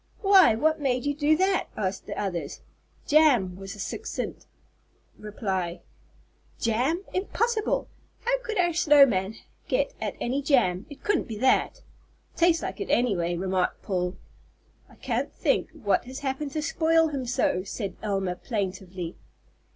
"Why, what made you do that?" asked the others. "Jam!" was the succinct reply. "Jam! Impossible. How could our snow man get at any jam? It couldn't be that." "Tastes like it, any way," remarked Paul. "I can't think what has happened to spoil him so," said Elma, plaintively.